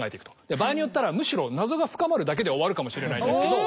場合によったらむしろ謎が深まるだけで終わるかもしれないですけど。